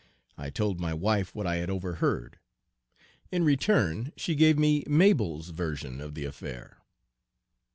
I told my wife what I had overheard. In return she gave me Mabel's version of the affair.